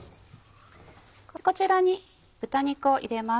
こちらに豚肉を入れます。